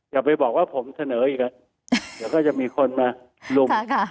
อย่าไปบอกว่าผมเสนออีกเดี๋ยวก็จะมีคนมาลุม